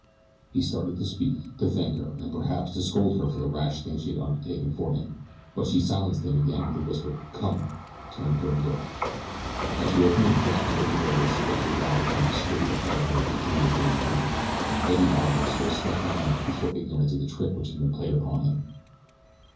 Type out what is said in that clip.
He started to speak, to thank her, and, perhaps, to scold her for the rash thing she had undertaken for him; but she silenced him again, and with a whispered, "Come!" turned toward the door. As she opened it a crack to reconnoiter she kept the revolver pointed straight ahead of her into the adjoining room. Eddie, however, still slept on in peaceful ignorance of the trick which was being played upon him.